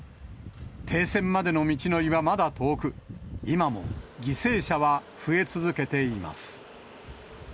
停戦までの道のりはまだ遠く、今も犠牲者は増え続けています。